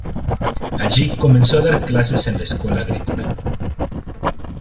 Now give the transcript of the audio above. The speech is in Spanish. Allí comenzó a dar clases en la Escuela Agrícola.